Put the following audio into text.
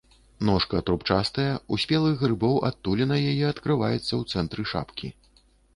Ножка трубчастая, у спелых грыбоў адтуліна яе адкрываецца ў цэнтры шапкі.